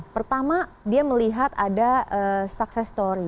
pertama dia melihat ada sukses story